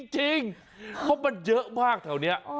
จริงเพราะมันเยอะมากแถวนี้